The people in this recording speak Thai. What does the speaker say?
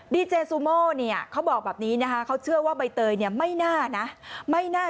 ดีเจซูโมเขาบอกแบบนี้เขาเชื่อว่าใบเตยไม่น่า